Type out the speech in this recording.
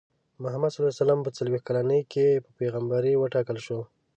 محمد ص په څلوېښت کلنۍ کې په پیغمبرۍ وټاکل شو.